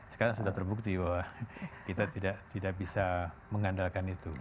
sekarang sudah terbukti bahwa kita tidak bisa mengandalkan itu